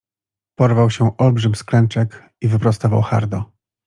Porwał się olbrzym z klęczek i wyprostował hardo.